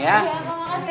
iya makasih ya